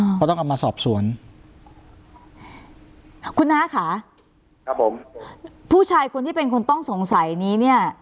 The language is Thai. เพราะต้องเอามาสอบสวนคุณน้าค่ะครับผมผู้ชายคนที่เป็นคนต้องสงสัยนี้เนี้ย